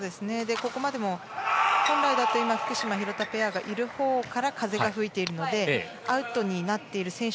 ここまでも本来だと今福島、廣田ペアがいるほうから風が吹いているのでアウトになっている選手